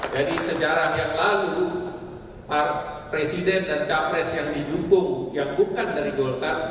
jadi sejarah yang lalu pak presiden dan capres yang didukung yang bukan dari golkar